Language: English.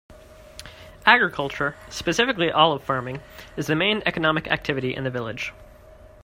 Agriculture, specifically olive farming, is the main economic activity in the village.